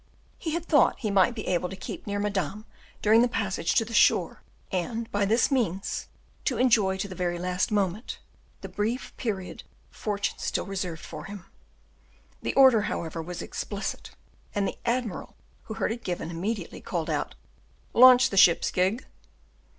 He had thought he might be able to keep near Madame during the passage to the shore, and, by this means, to enjoy to the very last moment the brief period fortune still reserved for him. The order, however, was explicit; and the admiral, who heard it given, immediately called out, "Launch the ship's gig."